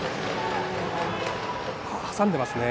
挟んでいますね。